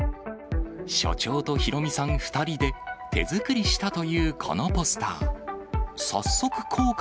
署長と博美さん２人で、手作りしたというこのポスター。